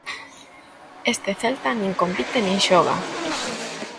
Este Celta nin compite nin xoga.